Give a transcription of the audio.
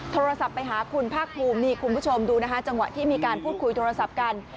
โทรศัพท์ไปหาคุณภาคภูมินี่คุณผู้ชมดูนะคะจังหวะที่มีการพูดคุยโทรศัพท์กัน